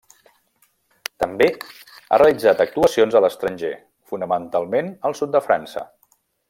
També ha realitzat actuacions a l'estranger fonamentalment al sud de França.